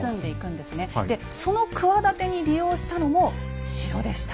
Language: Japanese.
でその企てに利用したのも城でした。